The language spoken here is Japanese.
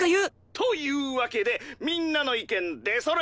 「というわけでみんなの意見出そろいました」